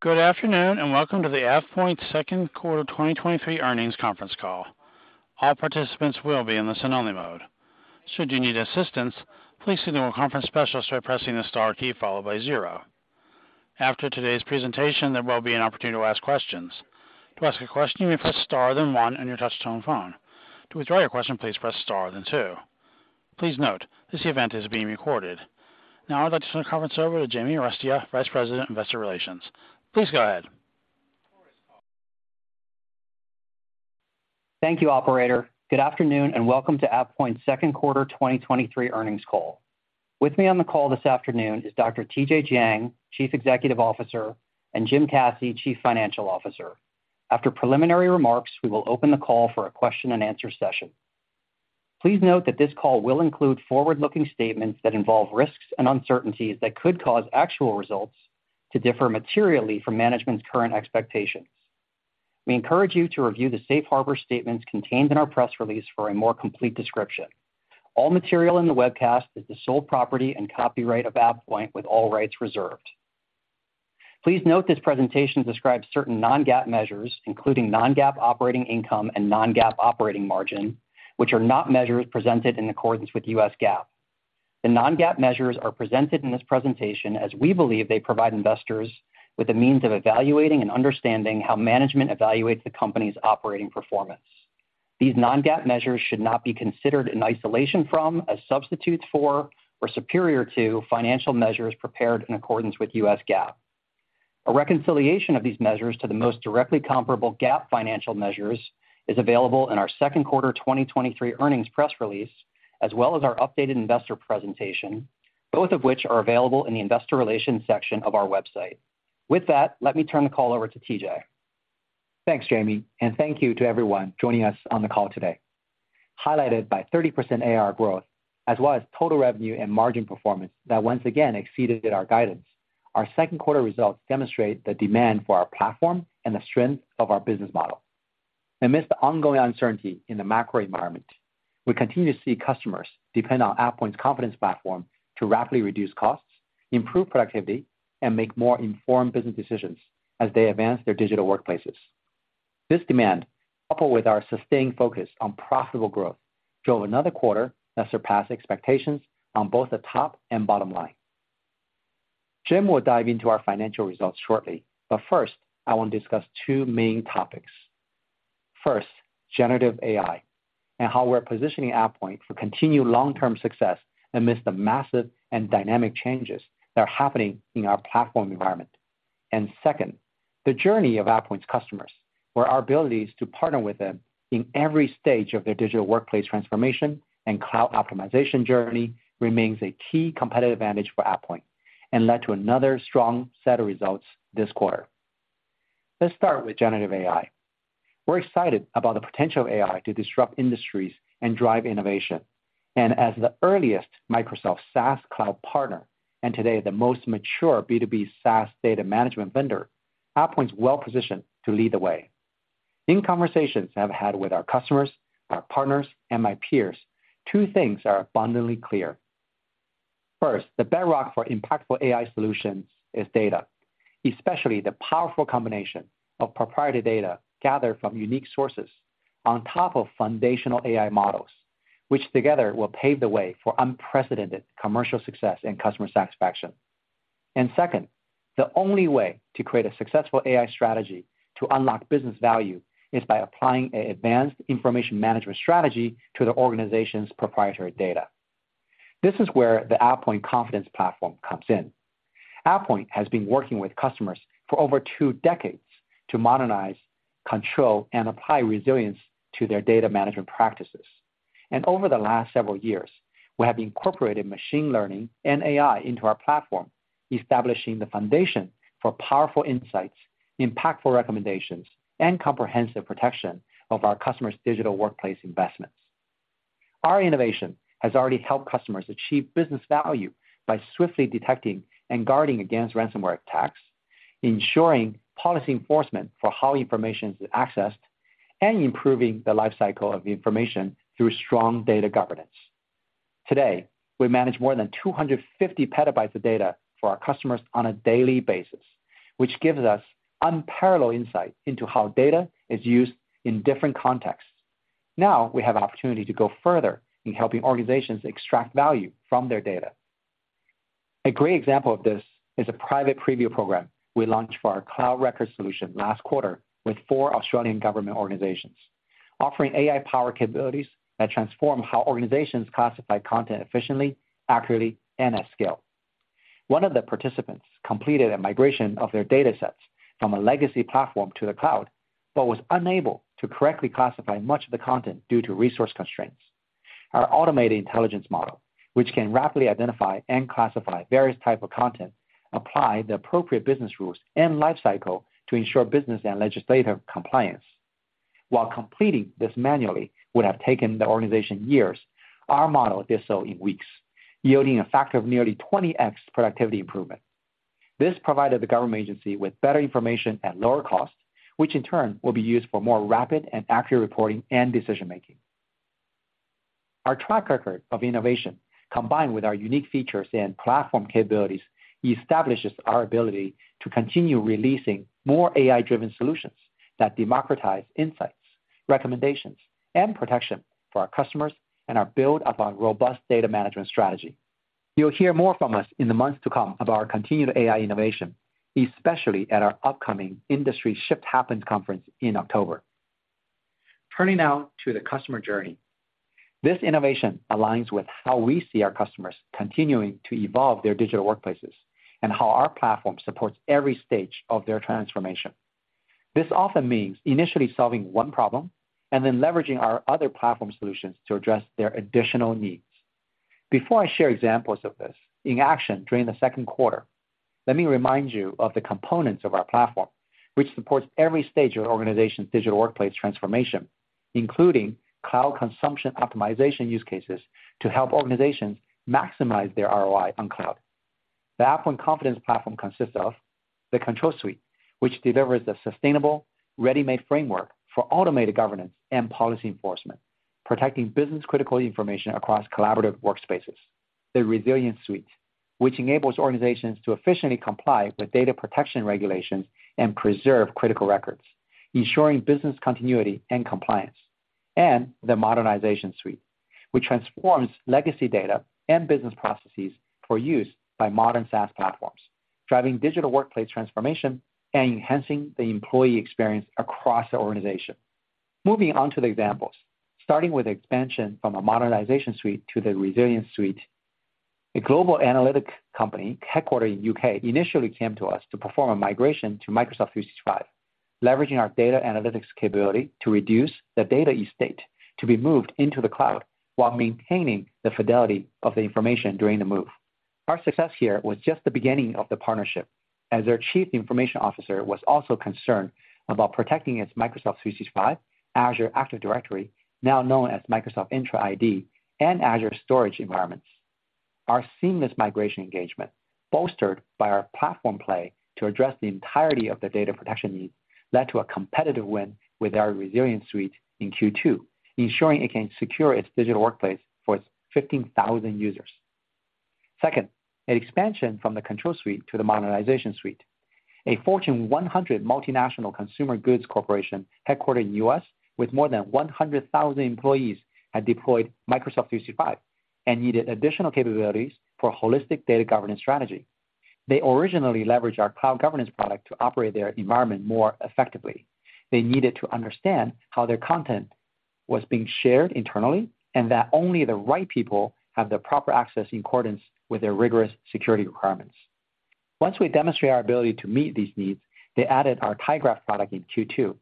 Good afternoon, welcome to the AvePoint Second Quarter 2023 Earnings Conference Call. All participants will be in the listen-only mode. Should you need assistance, please signal a conference specialist by pressing the star key followed by 0. After today's presentation, there will be an opportunity to ask questions. To ask a question, you may press star, then 1 on your touchtone phone. To withdraw your question, please press star, then 2. Please note, this event is being recorded. Now I'd like to turn the conference over to Jamie Arestia, Vice President, Investor Relations. Please go ahead. Thank you, operator. Good afternoon, and welcome to AvePoint's Second Quarter 2023 Earnings Call. With me on the call this afternoon is Dr. TJ Jiang, Chief Executive Officer, and Jim Caci, Chief Financial Officer. After preliminary remarks, we will open the call for a question-and-answer session. Please note that this call will include forward-looking statements that involve risks and uncertainties that could cause actual results to differ materially from management's current expectations. We encourage you to review the safe harbor statements contained in our press release for a more complete description. All material in the webcast is the sole property and copyright of AvePoint, with all rights reserved. Please note this presentation describes certain non-GAAP measures, including non-GAAP operating income and non-GAAP operating margin, which are not measures presented in accordance with US GAAP. The non-GAAP measures are presented in this presentation as we believe they provide investors with a means of evaluating and understanding how management evaluates the company's operating performance. These non-GAAP measures should not be considered in isolation from, a substitute for, or superior to financial measures prepared in accordance with US GAAP. A reconciliation of these measures to the most directly comparable GAAP financial measures is available in our second quarter 2023 earnings press release, as well as our updated investor presentation, both of which are available in the investor relations section of our website. With that, let me turn the call over to TJ. Thanks, Jamie. Thank you to everyone joining us on the call today. Highlighted by 30% AR growth, as well as total revenue and margin performance that once again exceeded our guidance, our second quarter results demonstrate the demand for our platform and the strength of our business model. Amidst the ongoing uncertainty in the macro environment, we continue to see customers depend on AvePoint Confidence Platform to rapidly reduce costs, improve productivity, and make more informed business decisions as they advance their digital workplaces. This demand, coupled with our sustained focus on profitable growth, drove another quarter that surpassed expectations on both the top and bottom line. Jim will dive into our financial results shortly, but first, I want to discuss 2 main topics. First, generative AI and how we're positioning AvePoint for continued long-term success amidst the massive and dynamic changes that are happening in our platform environment. Second, the journey of AvePoint's customers, where our abilities to partner with them in every stage of their digital workplace transformation and cloud optimization journey remains a key competitive advantage for AvePoint and led to another strong set of results this quarter. Let's start with generative AI. We're excited about the potential of AI to disrupt industries and drive innovation. As the earliest Microsoft SaaS cloud partner, and today, the most mature B2B SaaS data management vendor, AvePoint's well-positioned to lead the way. In conversations I've had with our customers, our partners, and my peers, two things are abundantly clear. First, the bedrock for impactful AI solutions is data, especially the powerful combination of proprietary data gathered from unique sources on top of foundational AI models, which together will pave the way for unprecedented commercial success and customer satisfaction. Second, the only way to create a successful AI strategy to unlock business value is by applying an advanced information management strategy to the organization's proprietary data. This is where the AvePoint Confidence Platform comes in. AvePoint has been working with customers for over two decades to modernize, control, and apply resilience to their data management practices. Over the last several years, we have incorporated machine learning and AI into our platform, establishing the foundation for powerful insights, impactful recommendations, and comprehensive protection of our customers' digital workplace investments. Our innovation has already helped customers achieve business value by swiftly detecting and guarding against ransomware attacks, ensuring policy enforcement for how information is accessed, and improving the life cycle of the information through strong data governance. Today, we manage more than 250 petabytes of data for our customers on a daily basis, which gives us unparalleled insight into how data is used in different contexts. Now, we have an opportunity to go further in helping organizations extract value from their data. A great example of this is a private preview program we launched for our Cloud Records solution last quarter with four Australian government organizations, offering AI power capabilities that transform how organizations classify content efficiently, accurately, and at scale. One of the participants completed a migration of their datasets from a legacy platform to the cloud, but was unable to correctly classify much of the content due to resource constraints. Our automated intelligence model, which can rapidly identify and classify various type of content, apply the appropriate business rules and life cycle to ensure business and legislative compliance. While completing this manually would have taken the organization years, our model did so in weeks, yielding a factor of nearly 20x productivity improvement. This provided the government agency with better information at lower cost, which in turn will be used for more rapid and accurate reporting and decision-making. Our track record of innovation, combined with our unique features and platform capabilities, establishes our ability to continue releasing more AI-driven solutions that democratize insights, recommendations, and protection for our customers, and are built upon robust data management strategy. You'll hear more from us in the months to come about our continued AI innovation, especially at our upcoming industry Shift Happens conference in October. Turning now to the customer journey. This innovation aligns with how we see our customers continuing to evolve their digital workplaces, and how our platform supports every stage of their transformation. This often means initially solving one problem, and then leveraging our other platform solutions to address their additional needs. Before I share examples of this in action during the second quarter, let me remind you of the components of our platform, which supports every stage of an organization's digital workplace transformation, including cloud consumption optimization use cases, to help organizations maximize their ROI on cloud. The AvePoint Confidence Platform consists of the Control Suite, which delivers a sustainable, ready-made framework for automated governance and policy enforcement, protecting business-critical information across collaborative workspaces, the Resilience Suite, which enables organizations to efficiently comply with data protection regulations and preserve critical records, ensuring business continuity and compliance, and the Modernization Suite, which transforms legacy data and business processes for use by modern SaaS platforms, driving digital workplace transformation and enhancing the employee experience across the organization. Moving on to the examples. Starting with expansion from a Modernization Suite to the Resilience Suite. A global analytic company headquartered in UK, initially came to us to perform a migration to Microsoft 365, leveraging our data analytics capability to reduce the data estate to be moved into the cloud while maintaining the fidelity of the information during the move. Our success here was just the beginning of the partnership, as their chief information officer was also concerned about protecting its Microsoft 365 Azure Active Directory, now known as Microsoft Entra ID, and Azure storage environments. Our seamless migration engagement, bolstered by our platform play to address the entirety of the data protection needs, led to a competitive win with our Resilience Suite in Q2, ensuring it can secure its digital workplace for 15,000 users. Second, an expansion from the Control Suite to the Modernization Suite. A Fortune 100 multinational consumer goods corporation, headquartered in US, with more than 100,000 employees, had deployed Microsoft 365 and needed additional capabilities for holistic data governance strategy. They originally leveraged our Cloud Governance product to operate their environment more effectively. They needed to understand how their content was being shared internally, and that only the right people have the proper access in accordance with their rigorous security requirements. Once we demonstrated our ability to meet these needs, they added our tyGraph product in Q2,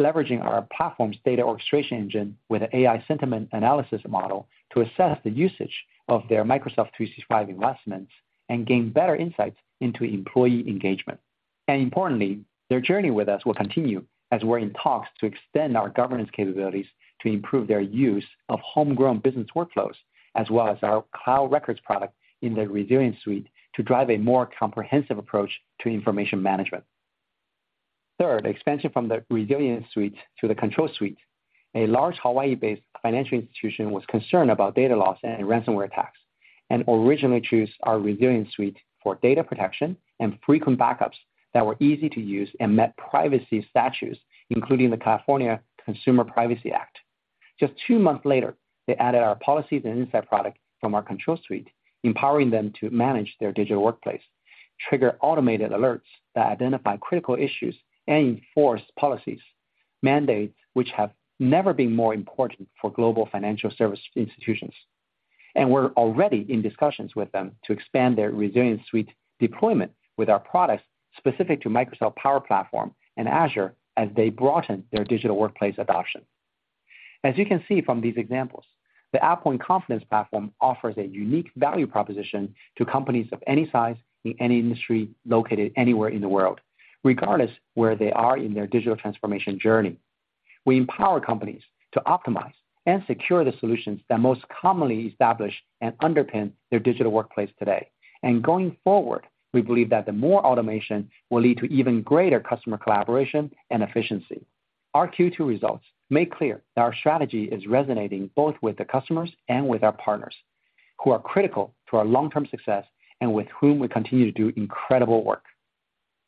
leveraging our platform's data orchestration engine with an AI sentiment analysis model to assess the usage of their Microsoft 365 investments and gain better insights into employee engagement. Importantly, their journey with us will continue as we're in talks to extend our governance capabilities to improve their use of homegrown business workflows, as well as our Cloud Records product in the Resilience Suite, to drive a more comprehensive approach to information management. Third, expansion from the Resilience Suite to the Control Suite. A large Hawaii-based financial institution was concerned about data loss and ransomware attacks. Originally chose our Resilience Suite for data protection and frequent backups that were easy to use and met privacy statutes, including the California Consumer Privacy Act. Just two months later, they added our Policies & Insights product from our Control Suite, empowering them to manage their digital workplace, trigger automated alerts that identify critical issues, and enforce policies, mandates which have never been more important for global financial service institutions. We're already in discussions with them to expand their Resilience Suite deployment with our products specific to Microsoft Power Platform and Azure as they broaden their digital workplace adoption. As you can see from these examples, the AvePoint Confidence Platform offers a unique value proposition to companies of any size, in any industry, located anywhere in the world, regardless where they are in their digital transformation journey. We empower companies to optimize and secure the solutions that most commonly establish and underpin their digital workplace today. Going forward, we believe that the more automation will lead to even greater customer collaboration and efficiency. Our Q2 results make clear that our strategy is resonating both with the customers and with our partners, who are critical to our long-term success and with whom we continue to do incredible work.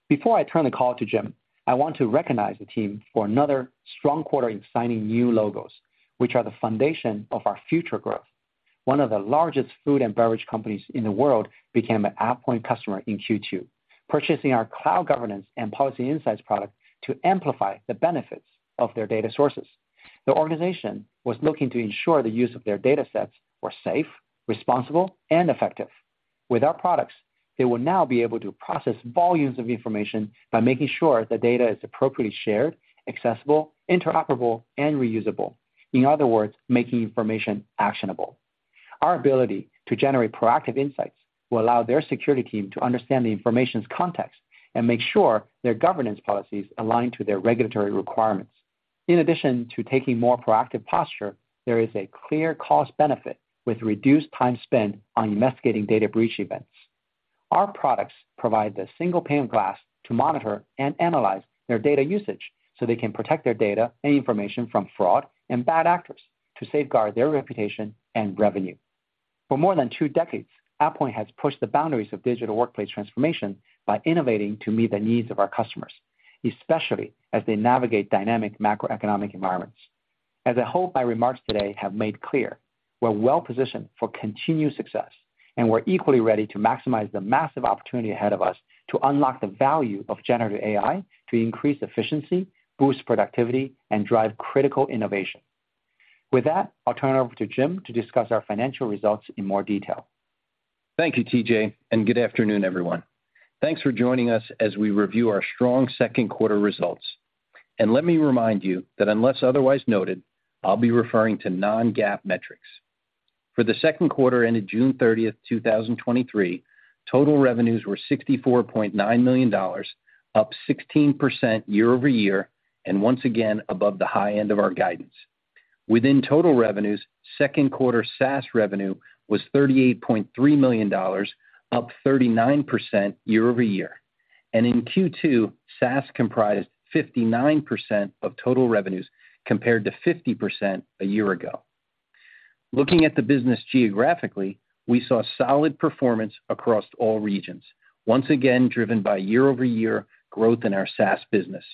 Before I turn the call to Jim, I want to recognize the team for another strong quarter in signing new logos, which are the foundation of our future growth. One of the largest food and beverage companies in the world became an AvePoint customer in Q2, purchasing our Cloud Governance and Policies & Insights product to amplify the benefits of their data sources. The organization was looking to ensure the use of their datasets were safe, responsible, and effective. With our products, they will now be able to process volumes of information by making sure the data is appropriately shared, accessible, interoperable, and reusable. In other words, making information actionable. Our ability to generate proactive insights will allow their security team to understand the information's context and make sure their governance policies align to their regulatory requirements. In addition to taking more proactive posture, there is a clear cost benefit with reduced time spent on investigating data breach events. Our products provide the single pane of glass to monitor and analyze their data usage, so they can protect their data and information from fraud and bad actors to safeguard their reputation and revenue. For more than two decades, AvePoint has pushed the boundaries of digital workplace transformation by innovating to meet the needs of our customers, especially as they navigate dynamic macroeconomic environments. As I hope my remarks today have made clear, we're well-positioned for continued success, and we're equally ready to maximize the massive opportunity ahead of us to unlock the value of generative AI, to increase efficiency, boost productivity, and drive critical innovation. With that, I'll turn it over to Jim to discuss our financial results in more detail. Thank you, TJ. Good afternoon, everyone. Thanks for joining us as we review our strong 2nd quarter results. Let me remind you that unless otherwise noted, I'll be referring to non-GAAP metrics. For the 2nd quarter, ended June 30th, 2023, total revenues were $64.9 million, up 16% year-over-year, and once again, above the high end of our guidance. Within total revenues, 2nd quarter SaaS revenue was $38.3 million, up 39% year-over-year. In Q2, SaaS comprised 59% of total revenues, compared to 50% a year ago. Looking at the business geographically, we saw solid performance across all regions, once again, driven by year-over-year growth in our SaaS business.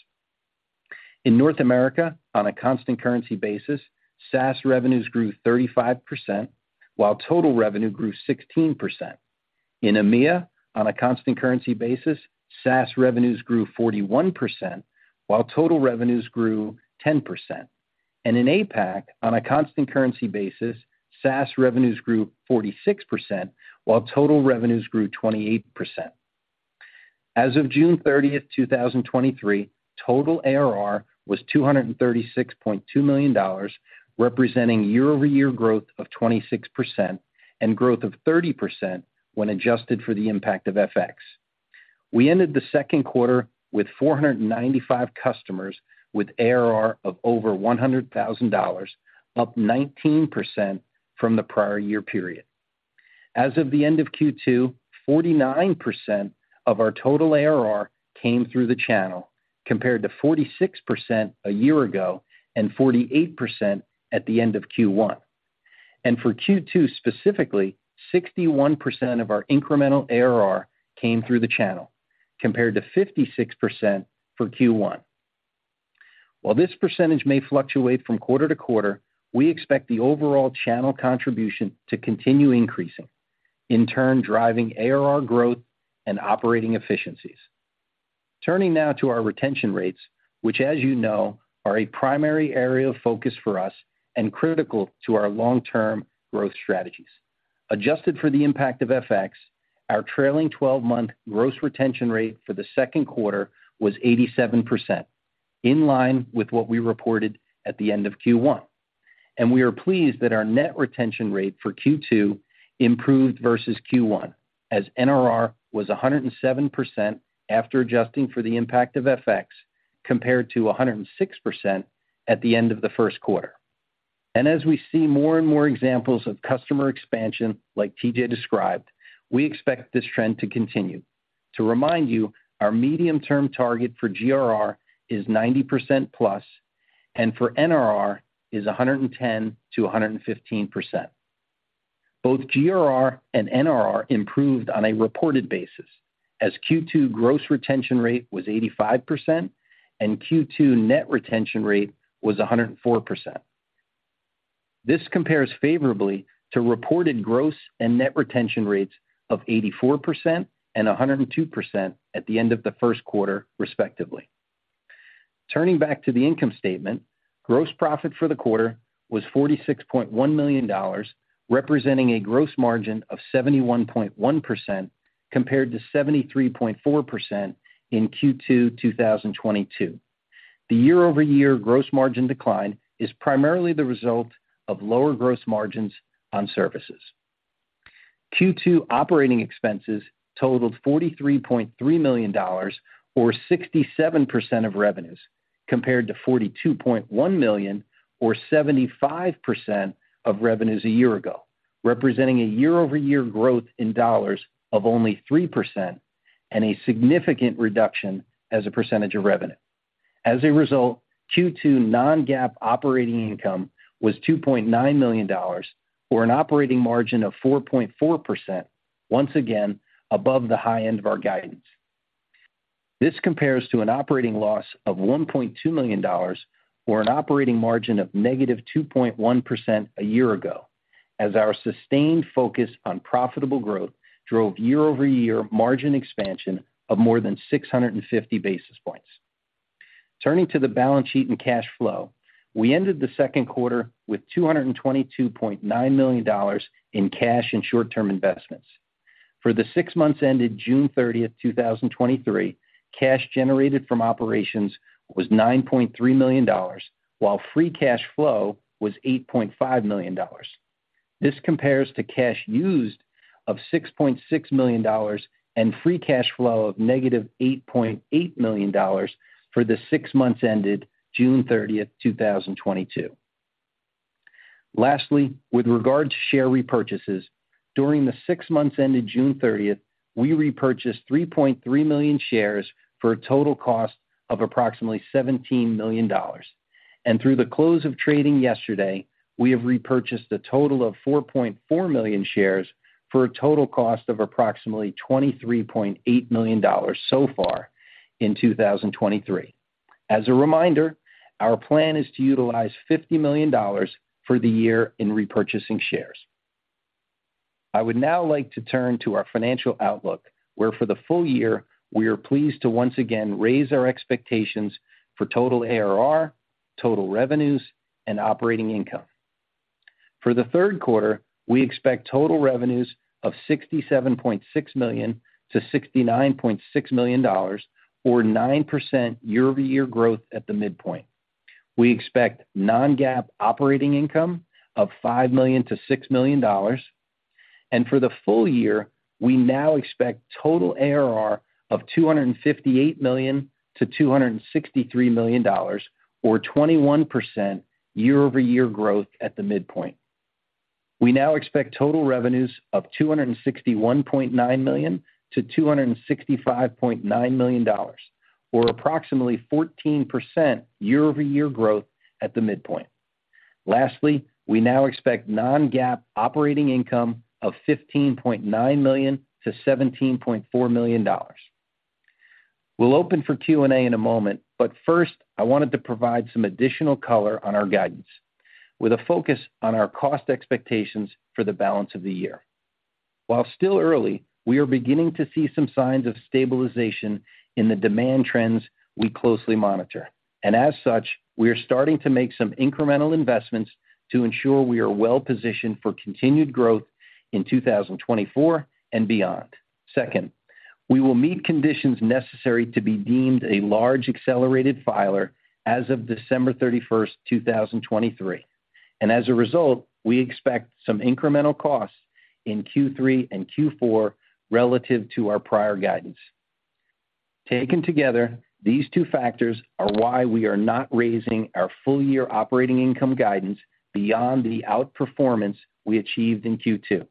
In North America, on a constant currency basis, SaaS revenues grew 35%, while total revenue grew 16%. In EMEA, on a constant currency basis, SaaS revenues grew 41%, while total revenues grew 10%. In APAC, on a constant currency basis, SaaS revenues grew 46%, while total revenues grew 28%. As of June 30, 2023, total ARR was $236.2 million, representing year-over-year growth of 26% and growth of 30% when adjusted for the impact of FX. We ended the second quarter with 495 customers with ARR of over $100,000, up 19% from the prior year period. As of the end of Q2, 49% of our total ARR came through the channel, compared to 46% a year ago and 48% at the end of Q1. For Q2, specifically, 61% of our incremental ARR came through the channel, compared to 56% for Q1. While this percentage may fluctuate from quarter to quarter, we expect the overall channel contribution to continue increasing, in turn, driving ARR growth and operating efficiencies. Turning now to our retention rates, which, as you know, are a primary area of focus for us and critical to our long-term growth strategies. Adjusted for the impact of FX, our trailing 12-month gross retention rate for the 2nd quarter was 87%, in line with what we reported at the end of Q1. We are pleased that our net retention rate for Q2 improved versus Q1, as NRR was 107% after adjusting for the impact of FX, compared to 106% at the end of the 1st quarter. As we see more and more examples of customer expansion, like TJ described, we expect this trend to continue. To remind you, our medium-term target for GRR is 90%+, and for NRR is 110%-115%. Both GRR and NRR improved on a reported basis, as Q2 gross retention rate was 85%, and Q2 net retention rate was 104%. This compares favorably to reported gross and net retention rates of 84% and 102% at the end of the first quarter, respectively. Turning back to the income statement, gross profit for the quarter was $46.1 million, representing a gross margin of 71.1%, compared to 73.4% in Q2 2022. The year-over-year gross margin decline is primarily the result of lower gross margins on services. Q2 operating expenses totaled $43.3 million or 67% of revenues, compared to $42.1 million or 75% of revenues a year ago, representing a year-over-year growth in dollars of only 3% and a significant reduction as a percentage of revenue. As a result, Q2 non-GAAP operating income was $2.9 million, or an operating margin of 4.4%, once again, above the high end of our guidance. This compares to an operating loss of $1.2 million or an operating margin of -2.1% a year ago, as our sustained focus on profitable growth drove year-over-year margin expansion of more than 650 basis points. Turning to the balance sheet and cash flow, we ended the second quarter with $222.9 million in cash and short-term investments. For the six months ended June 30th, 2023, cash generated from operations was $9.3 million, while free cash flow was $8.5 million. This compares to cash used of $6.6 million and free cash flow of negative $8.8 million for the six months ended June 30th, 2022. Lastly, with regards to share repurchases, during the six months ended June 30th, we repurchased 3.3 million shares for a total cost of approximately $17 million. Through the close of trading yesterday, we have repurchased a total of 4.4 million shares for a total cost of approximately $23.8 million so far in 2023. As a reminder, our plan is to utilize $50 million for the year in repurchasing shares. I would now like to turn to our financial outlook, where for the full year, we are pleased to once again raise our expectations for total ARR, total revenues, and operating income. For the third quarter, we expect total revenues of $67.6 million-$69.6 million, or 9% year-over-year growth at the midpoint. We expect non-GAAP operating income of $5 million-$6 million. For the full year, we now expect total ARR of $258 million-$263 million, or 21% year-over-year growth at the midpoint. We now expect total revenues of $261.9 million-$265.9 million, or approximately 14% year-over-year growth at the midpoint. Lastly, we now expect non-GAAP operating income of $15.9 million-$17.4 million. We'll open for Q&A in a moment. First, I wanted to provide some additional color on our guidance, with a focus on our cost expectations for the balance of the year. While still early, we are beginning to see some signs of stabilization in the demand trends we closely monitor, as such, we are starting to make some incremental investments to ensure we are well positioned for continued growth in 2024 and beyond. Second, we will meet conditions necessary to be deemed a large accelerated filer as of December 31st, 2023, as a result, we expect some incremental costs in Q3 and Q4 relative to our prior guidance. Taken together, these two factors are why we are not raising our full-year operating income guidance beyond the outperformance we achieved in Q2.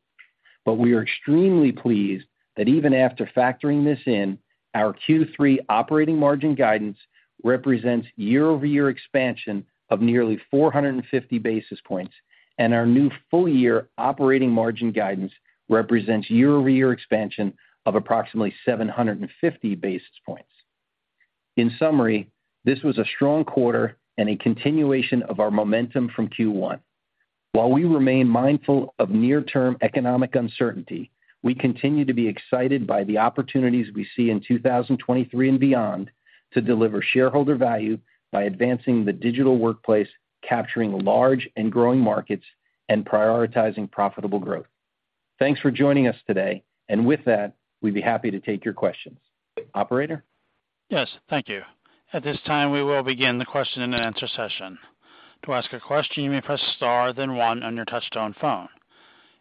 We are extremely pleased that even after factoring this in, our Q3 operating margin guidance represents year-over-year expansion of nearly 450 basis points, and our new full-year operating margin guidance represents year-over-year expansion of approximately 750 basis points. In summary, this was a strong quarter and a continuation of our momentum from Q1. While we remain mindful of near-term economic uncertainty, we continue to be excited by the opportunities we see in 2023 and beyond to deliver shareholder value by advancing the digital workplace, capturing large and growing markets, and prioritizing profitable growth. Thanks for joining us today, and with that, we'd be happy to take your questions. Operator? Yes, thank you. At this time, we will begin the question-and-answer session. To ask a question, you may press Star, then one on your touchtone phone.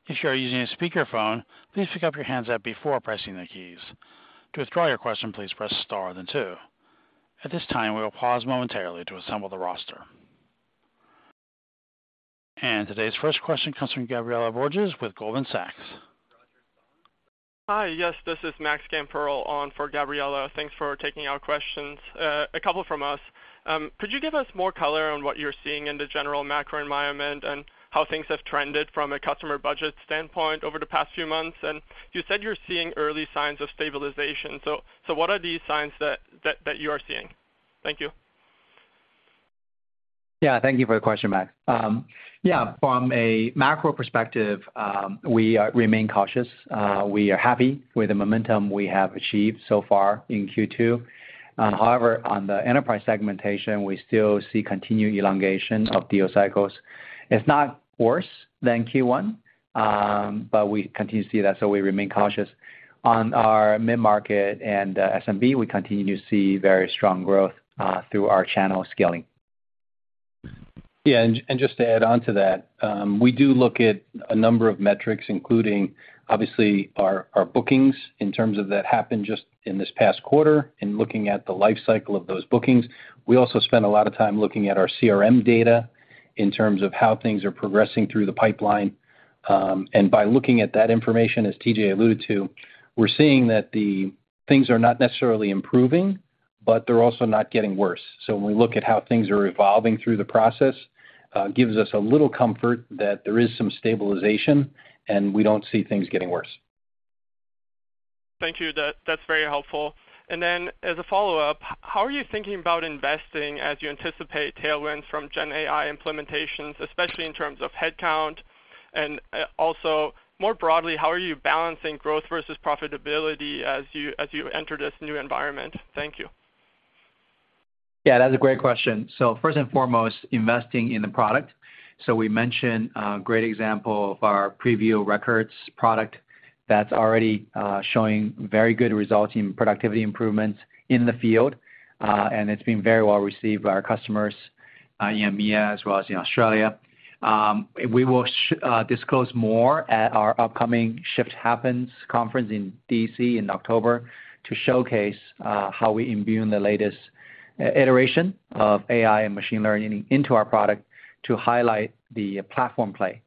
If you are using a speakerphone, please pick up your handset before pressing the keys. To withdraw your question, please press Star, then two. At this time, we will pause momentarily to assemble the roster. Today's first question comes from Gabriela Borges with Goldman Sachs. Hi, yes, this is Max Gamperl on for Gabriela. Thanks for taking our questions. A couple from us. Could you give us more color on what you're seeing in the general macro environment and how things have trended from a customer budget standpoint over the past few months? You said you're seeing early signs of stabilization, so what are these signs that you are seeing? Thank you. Yeah, thank you for the question, Max. Yeah, from a macro perspective, we remain cautious. We are happy with the momentum we have achieved so far in Q2. However, on the enterprise segmentation, we still see continued elongation of deal cycles. It's not worse than Q1, but we continue to see that, so we remain cautious. On our mid-market and SMB, we continue to see very strong growth through our channel scaling. Yeah, and, and just to add on to that, we do look at a number of metrics, including, obviously, our, our bookings in terms of that happened just in this past quarter, and looking at the life cycle of those bookings. We also spend a lot of time looking at our CRM data in terms of how things are progressing through the pipeline. By looking at that information, as TJ alluded to, we're seeing that the things are not necessarily improving, but they're also not getting worse. When we look at how things are evolving through the process, it gives us a little comfort that there is some stabilization, and we don't see things getting worse. Thank you. That's very helpful. As a follow-up, how are you thinking about investing as you anticipate tailwinds from GenAI implementations, especially in terms of headcount? Also, more broadly, how are you balancing growth versus profitability as you, as you enter this new environment? Thank you. Yeah, that's a great question. First and foremost, investing in the product. We mentioned a great example of our preview records product that's already showing very good results in productivity improvements in the field, and it's been very well received by our customers, EMEA, as well as in Australia. We will disclose more at our upcoming Shift Happens conference in D.C. in October to showcase how we imbue the latest iteration of AI and machine learning into our product to highlight the platform play.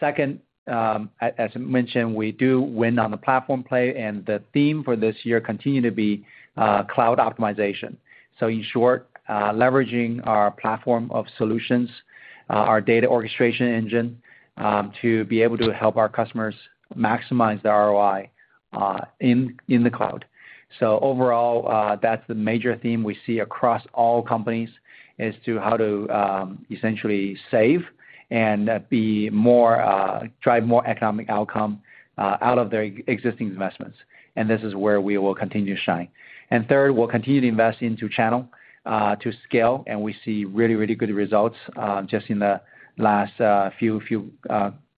Second, as mentioned, we do win on the platform play, and the theme for this year continue to be cloud optimization. In short, leveraging our platform of solutions, our data orchestration engine, to be able to help our customers maximize their ROI in the cloud. Overall, that's the major theme we see across all companies, as to how to essentially save and be more, drive more economic outcome out of their existing investments. This is where we will continue to shine. Third, we'll continue to invest into channel to scale, and we see really, really good results just in the last few, few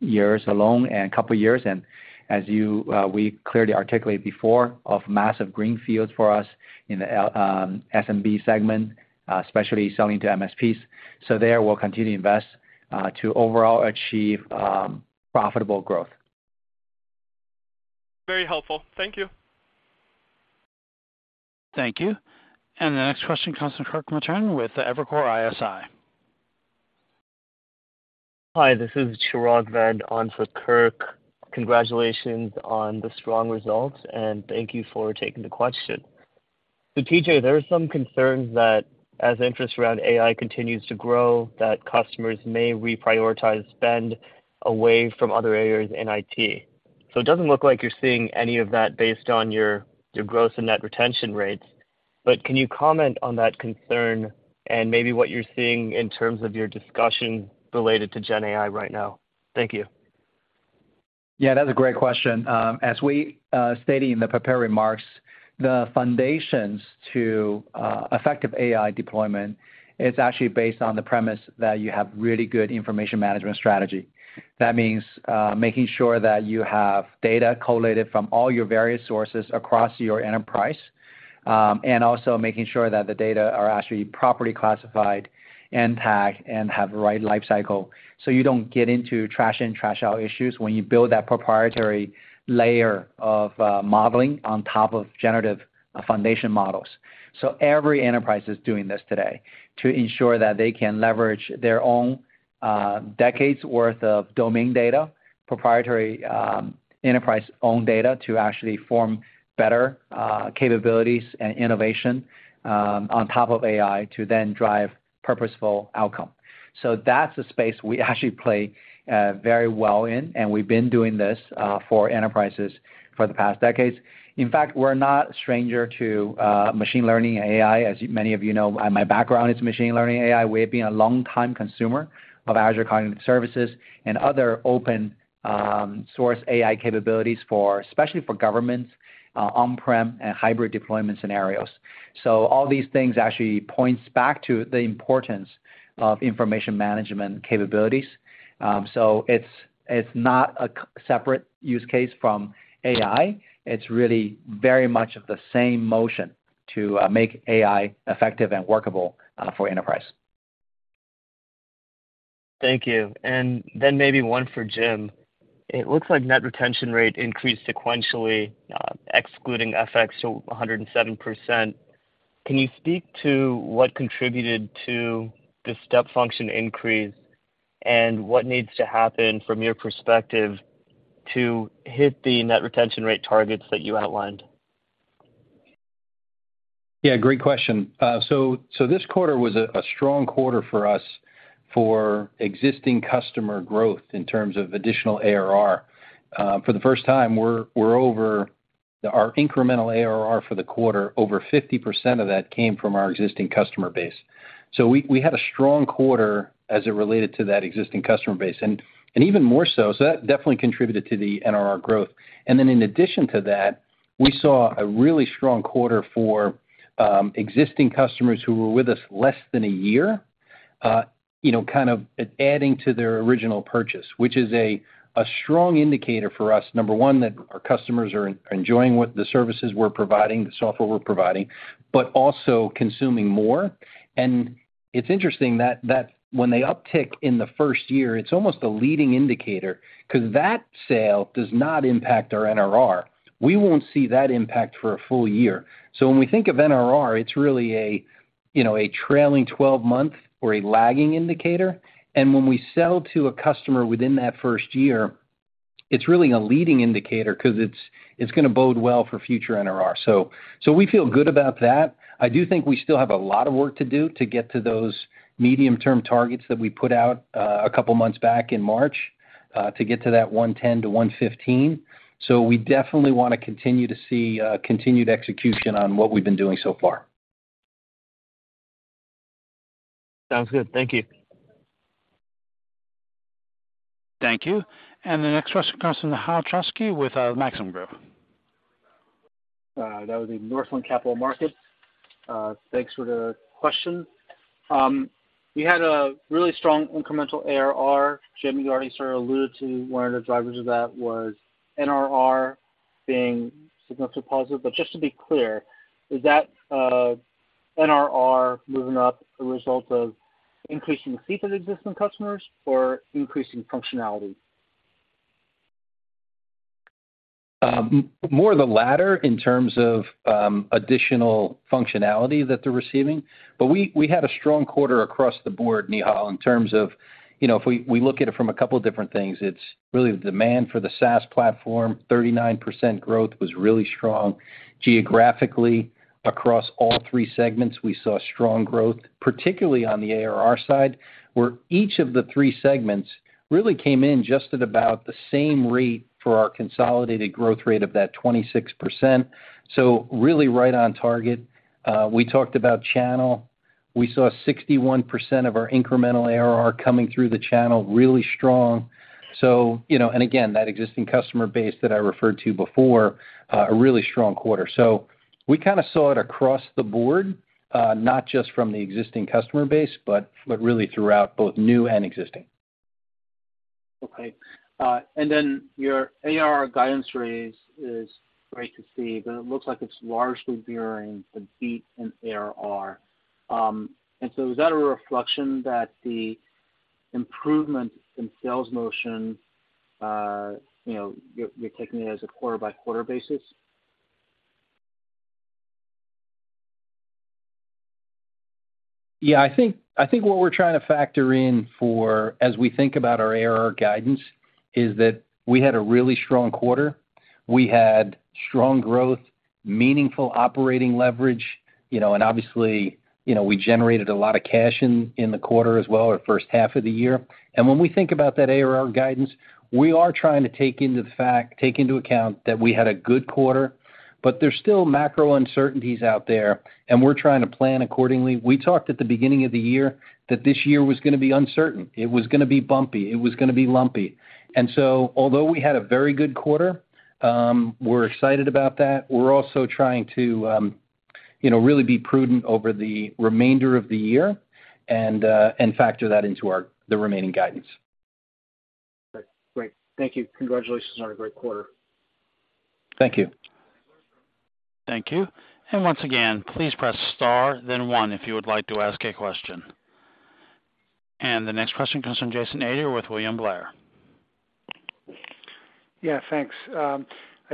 years alone and couple of years. As you, we clearly articulated before, of massive green fields for us in the SMB segment, especially selling to MSPs. There, we'll continue to invest to overall achieve profitable growth. Very helpful. Thank you. Thank you. The next question comes from Kirk Materne with the Evercore ISI. Hi, this is Chirag Ved on for Kirk. Congratulations on the strong results, and thank you for taking the question. TJ, there are some concerns that as interest around AI continues to grow, that customers may reprioritize spend away from other areas in IT. It doesn't look like you're seeing any of that based on your, your gross and net retention rates, but can you comment on that concern and maybe what you're seeing in terms of your discussion related to GenAI right now? Thank you. Yeah, that's a great question. As we stated in the prepared remarks, the foundations to effective AI deployment is actually based on the premise that you have really good information management strategy. That means making sure that you have data collated from all your various sources across your enterprise, and also making sure that the data are actually properly classified and tagged and have the right life cycle, so you don't get into trash in, trash out issues when you build that proprietary layer of modeling on top of generative foundation models. Every enterprise is doing this today to ensure that they can leverage their own decades worth of domain data, proprietary, enterprise-owned data, to actually form better capabilities and innovation on top of AI to then drive purposeful outcome. That's the space we actually play very well in, and we've been doing this for enterprises for the past decades. In fact, we're not a stranger to machine learning and AI. As many of you know, my background is machine learning and AI. We have been a long-time consumer of Azure Cognitive Services and other open source AI capabilities for, especially for governments, on-prem and hybrid deployment scenarios. All these things actually points back to the importance of information management capabilities. It's, it's not a separate use case from AI. It's really very much of the same motion to make AI effective and workable for enterprise. Thank you. Then maybe one for Jim. It looks like net retention rate increased sequentially, excluding FX to 107%. Can you speak to what contributed to the step function increase, and what needs to happen, from your perspective, to hit the net retention rate targets that you outlined? Yeah, great question. This quarter was a strong quarter for us for existing customer growth in terms of additional ARR. For the first time, our incremental ARR for the quarter, over 50% of that came from our existing customer base. We had a strong quarter as it related to that existing customer base, even more so, that definitely contributed to the NRR growth. In addition to that, we saw a really strong quarter for existing customers who were with us less than a year, you know, kind of adding to their original purchase, which is a strong indicator for us, number one, that our customers are enjoying what the services we're providing, the software we're providing, but also consuming more. It's interesting that, that when they uptick in the first year, it's almost a leading indicator, 'cause that sale does not impact our NRR. We won't see that impact for a full year. When we think of NRR, it's really a, you know, a trailing 12-month or a lagging indicator. When we sell to a customer within that first year, it's really a leading indicator 'cause it's, it's gonna bode well for future NRR. So we feel good about that. I do think we still have a lot of work to do to get to those medium-term targets that we put out a couple of months back in March to get to that 110-115. We definitely wanna continue to see continued execution on what we've been doing so far. Sounds good. Thank you. Thank you. The next question comes from Nehal Chokshi with Maxim Group. That would be Northland Capital Markets. Thanks for the question. You had a really strong incremental ARR. Jim, you already sort of alluded to 1 of the drivers of that was NRR being significantly positive. Just to be clear, is that NRR moving up the result of increasing fees of existing customers or increasing functionality? More of the latter in terms of additional functionality that they're receiving. We, we had a strong quarter across the board, Nihal, in terms of, you know, if we, we look at it from a couple different things, it's really the demand for the SaaS platform, 39% growth was really strong. Geographically, across all three segments, we saw strong growth, particularly on the ARR side, where each of the three segments really came in just at about the same rate for our consolidated growth rate of that 26%. Really right on target. We talked about channel. We saw 61% of our incremental ARR coming through the channel, really strong. You know, and again, that existing customer base that I referred to before, a really strong quarter. We kind of saw it across the board, not just from the existing customer base, but, but really throughout both new and existing. Okay. Your ARR guidance raise is great to see, but it looks like it's largely bearing the beat in ARR. Is that a reflection that the improvement in sales motion, you know, you're, you're taking it as a quarter-by-quarter basis? Yeah, I think, I think what we're trying to factor in for, as we think about our ARR guidance, is that we had a really strong quarter. We had strong growth, meaningful operating leverage, you know, and obviously, you know, we generated a lot of cash in, in the quarter as well, our first half of the year. When we think about that ARR guidance, we are trying to take into account that we had a good quarter, but there's still macro uncertainties out there, and we're trying to plan accordingly. We talked at the beginning of the year that this year was gonna be uncertain, it was gonna be bumpy, it was gonna be lumpy. Although we had a very good quarter, we're excited about that. We're also trying to, you know, really be prudent over the remainder of the year and, and factor that into our, the remaining guidance. Great. Thank you. Congratulations on a great quarter. Thank you. Thank you. Once again, please press star, then 1 if you would like to ask a question. The next question comes from Jason Ader with William Blair. Yeah, thanks. I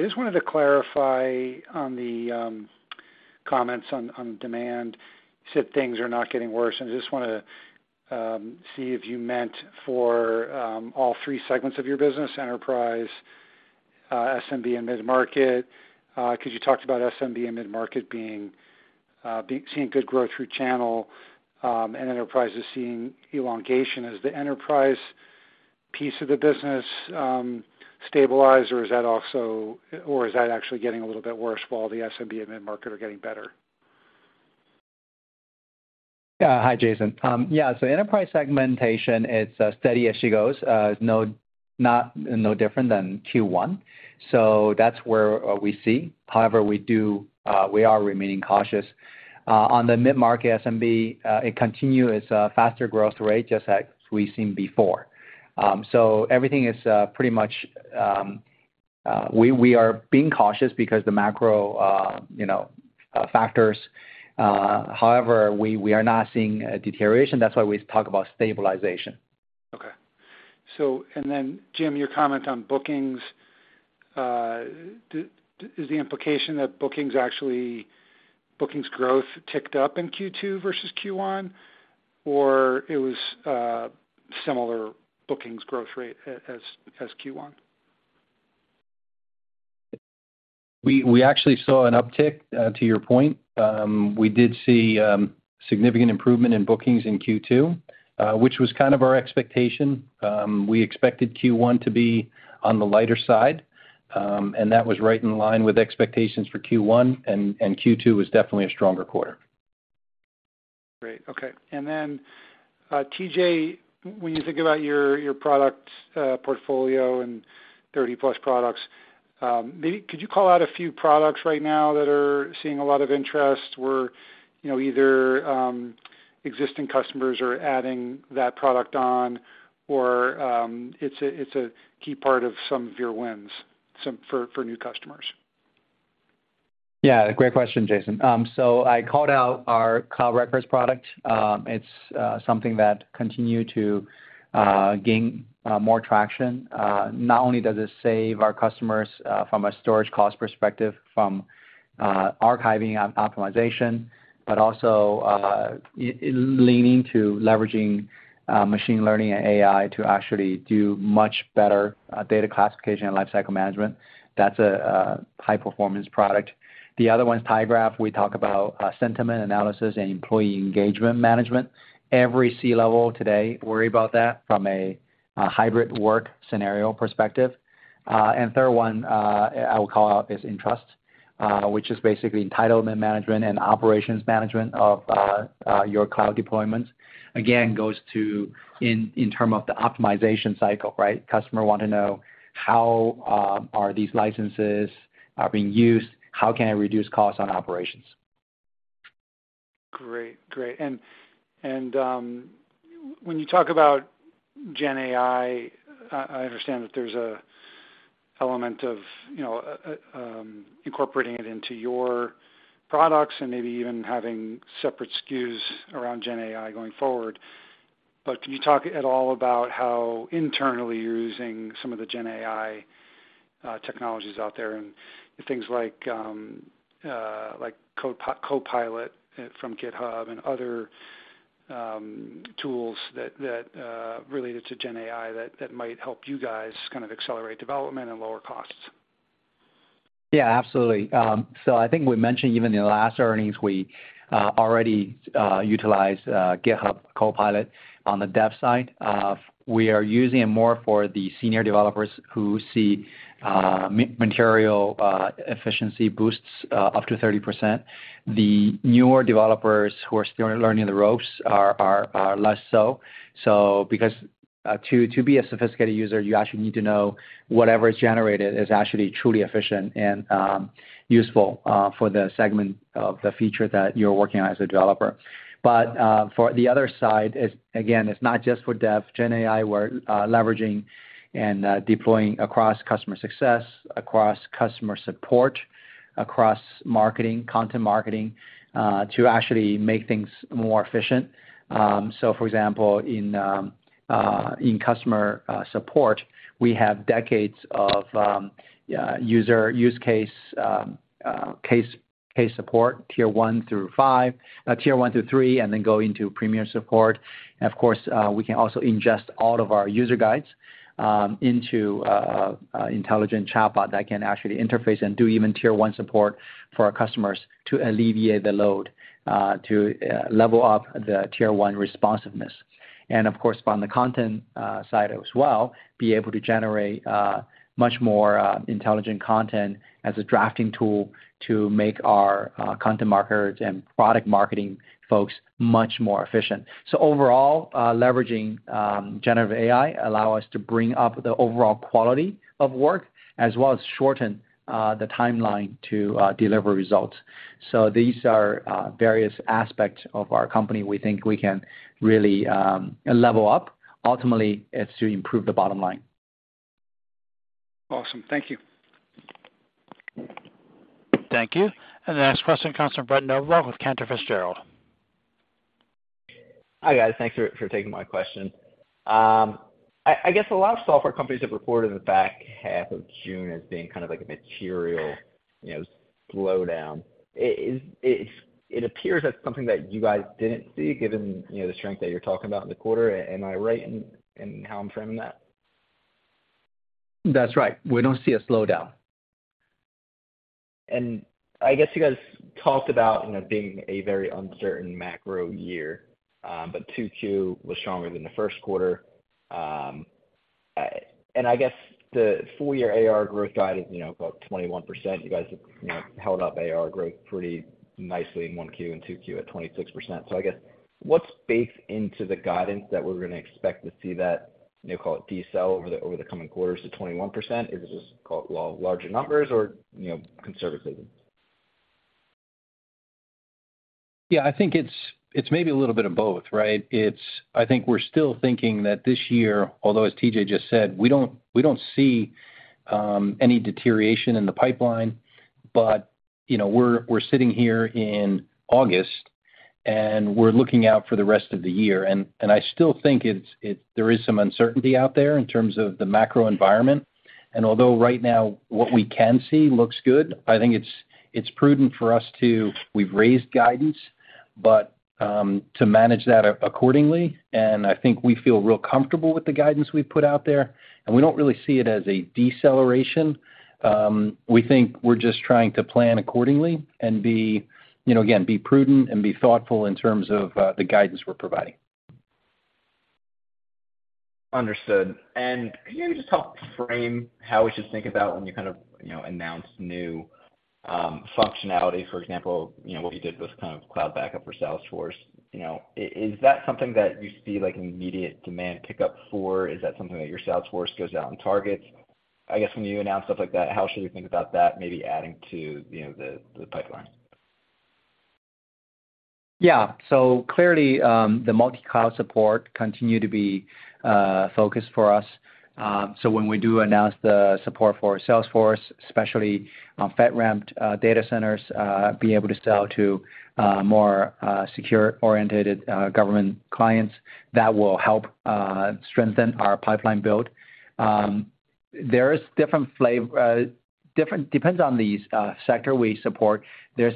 just wanted to clarify on the comments on, on demand. You said things are not getting worse, and I just wanna see if you meant for all 3 segments of your business, enterprise, SMB, and mid-market. Because you talked about SMB and mid-market being seeing good growth through channel, and enterprise is seeing elongation. As the enterprise piece of the business stabilize, or is that also, or is that actually getting a little bit worse while the SMB and mid-market are getting better? Hi, Jason. Yeah, so enterprise segmentation, it's steady as she goes. It's no, not, no different than Q1. That's where we see. However, we do, we are remaining cautious. On the mid-market SMB, it continue its faster growth rate, just as we've seen before. Everything is pretty much. We, we are being cautious because the macro, you know, factors, however, we, we are not seeing a deterioration. That's why we talk about stabilization. Jim, your comment on bookings, does the implication that bookings growth ticked up in Q2 versus Q1, or it was similar bookings growth rate as Q1? We, we actually saw an uptick, to your point. We did see significant improvement in bookings in Q2, which was kind of our expectation. We expected Q1 to be on the lighter side, and that was right in line with expectations for Q1, and Q2 was definitely a stronger quarter. Great. Okay. Then, TJ, when you think about your, your product, portfolio and 30-plus products, maybe could you call out a few products right now that are seeing a lot of interest where, you know, either existing customers are adding that product on, or, it's a, it's a key part of some of your wins, some for, for new customers? Yeah, great question, Jason. I called out our Cloud Records product. It's something that continue to gain more traction. Not only does it save our customers from a storage cost perspective, from archiving optimization, but also leaning to leveraging machine learning and AI to actually do much better data classification and lifecycle management. That's a high-performance product. The other one's tyGraph. We talk about sentiment analysis and employee engagement management. Every C level today worry about that from a hybrid work scenario perspective. Third one, I will call out is Entrust, which is basically entitlement management and operations management of your cloud deployments. Again, goes to in term of the optimization cycle, right? Customer want to know how, are these licenses are being used, how can I reduce costs on operations? Great. Great. When you talk about GenAI, I, I understand that there's a element of, you know, incorporating it into your products and maybe even having separate SKUs around GenAI going forward. Can you talk at all about how internally you're using some of the GenAI technologies out there, and things like Copilot from GitHub and other tools that related to GenAI that might help you guys kind of accelerate development and lower costs? Yeah, absolutely. I think we mentioned even in the last earnings, we already utilized GitHub Copilot on the dev side. We are using it more for the senior developers who see material efficiency boosts up to 30%. The newer developers who are still learning the ropes are, are, are less so. Because to be a sophisticated user, you actually need to know whatever is generated is actually truly efficient and useful for the segment of the feature that you're working on as a developer. For the other side, it's again, it's not just for dev, GenAI, we're leveraging and deploying across customer success, across customer support, across marketing, content marketing, to actually make things more efficient. For example, in customer support, we have decades of user use case, case, case support, Tier 1 through 5, Tier 1 through 3, and then go into premium support. Of course, we can also ingest all of our user guides into intelligent chatbot that can actually interface and do even Tier 1 support for our customers to alleviate the load to level up the Tier 1 responsiveness. Of course, on the content side as well, be able to generate much more intelligent content as a drafting tool to make our content marketers and product marketing folks much more efficient. Overall, leveraging Generative AI allow us to bring up the overall quality of work, as well as shorten the timeline to deliver results. These are various aspects of our company we think we can really level up. Ultimately, it's to improve the bottom line. Awesome. Thank you. Thank you. The next question comes from Brett Knoblauch with Cantor Fitzgerald. Hi, guys. Thanks for, for taking my question. I, I guess a lot of software companies have reported the back half of June as being kind of like a material, you know, slowdown. It appears that's something that you guys didn't see, given, you know, the strength that you're talking about in the quarter. Am I right in, in how I'm framing that? That's right. We don't see a slowdown. I guess you guys talked about, you know, being a very uncertain macro year, but 2Q was stronger than the 1Q. I guess the full year ARR growth guide is, you know, about 21%. You guys have, you know, held up ARR growth pretty nicely in 1Q and 2Q at 26%. I guess what's baked into the guidance that we're gonna expect to see that, you know, call it decel over the, over the coming quarters to 21%? Is this call, well, larger numbers or, you know, conservative? Yeah, I think it's, it's maybe a little bit of both, right? It's. I think we're still thinking that this year, although as TJ just said, we don't, we don't see any deterioration in the pipeline, but, you know, we're, we're sitting here in August, and we're looking out for the rest of the year. I still think there is some uncertainty out there in terms of the macro environment. Although right now what we can see looks good, I think it's, it's prudent for us to. We've raised guidance, but to manage that accordingly, and I think we feel real comfortable with the guidance we've put out there, and we don't really see it as a deceleration. We think we're just trying to plan accordingly and be, you know, again, be prudent and be thoughtful in terms of the guidance we're providing. Understood. Can you just help frame how we should think about when you kind of, you know, announce new functionality? For example, you know, what we did with kind of cloud backup for Salesforce. You know, is that something that you see, like, an immediate demand pickup for? Is that something that your Salesforce goes out and targets? I guess when you announce stuff like that, how should we think about that maybe adding to, you know, the, the pipeline? Yeah. clearly, the multi-cloud support continue to be focused for us. when we do announce the support for Salesforce, especially on FedRAMP data centers, be able to sell to more secure-orientated government clients, that will help strengthen our pipeline build. there is different depends on the sector we support. There's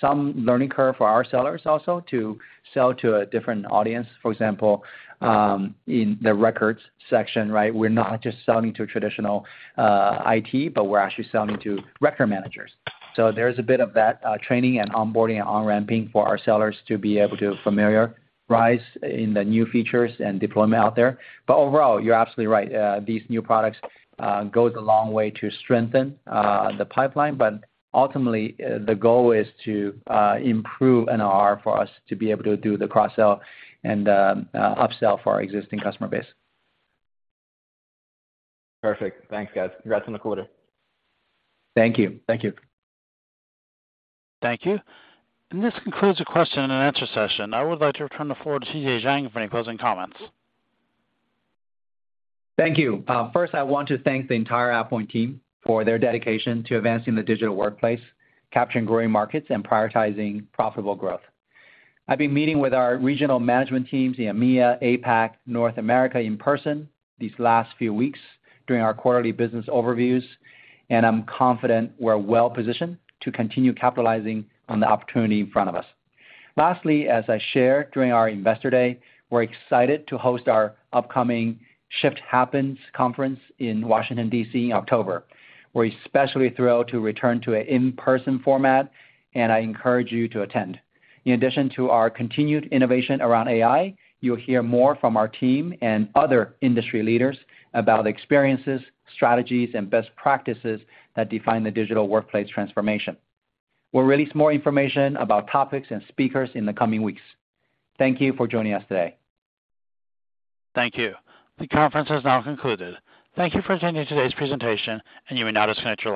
some learning curve for our sellers also to sell to a different audience. For example, in the records section, right? We're not just selling to traditional IT, but we're actually selling to record managers. there's a bit of that training and onboarding and on-ramping for our sellers to be able to familiarise in the new features and deployment out there. overall, you're absolutely right. These new products goes a long way to strengthen the pipeline, but ultimately, the goal is to improve NRR for us to be able to do the cross-sell and upsell for our existing customer base. Perfect. Thanks, guys. Congrats on the quarter. Thank you. Thank you. Thank you. This concludes the question and answer session. I would like to return the floor to TJ Jiang for any closing comments. Thank you. First, I want to thank the entire AvePoint team for their dedication to advancing the digital workplace, capturing growing markets, and prioritizing profitable growth. I've been meeting with our regional management teams in EMEA, APAC, North America in person these last few weeks during our quarterly business overviews, and I'm confident we're well positioned to continue capitalizing on the opportunity in front of us. Lastly, as I shared during our Investor Day, we're excited to host our upcoming Shift Happens Conference in Washington, D.C., in October. We're especially thrilled to return to a in-person format, and I encourage you to attend. In addition to our continued innovation around AI, you'll hear more from our team and other industry leaders about experiences, strategies, and best practices that define the digital workplace transformation. We'll release more information about topics and speakers in the coming weeks. Thank you for joining us today. Thank you. The conference has now concluded. Thank you for attending today's presentation, and you may now disconnect your lines.